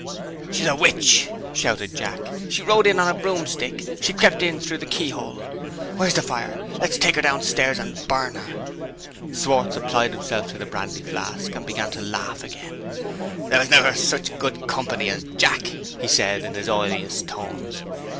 "She's a witch!" shouted Jack. "She rode in on a broomstick she crept in through the keyhole. Where's the fire? Let's take her downstairs, and burn her!" Schwartz applied himself to the brandy flask, and began to laugh again. "There never was such good company as Jack," he said, in his oiliest tones.